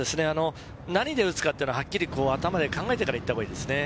何で打つか、はっきり頭で考えてから行ったほうがいいです。